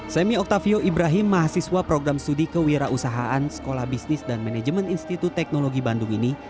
semi oktavio ibrahim mahasiswa program studi kewirausahaan sekolah bisnis dan manajemen institut teknologi bandung ini